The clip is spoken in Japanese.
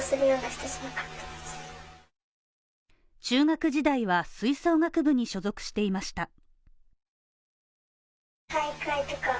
中学時代は吹奏楽部に所属していました。